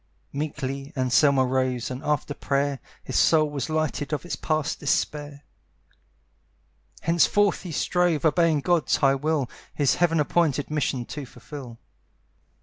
Meekly Anselmo rose, and, after prayer, His soul was lightened of its past despair. Henceforth he strove, obeying God's high will, His heaven appointed mission to fulfil.